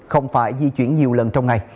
không phải di chuyển nhiều lần trong ngày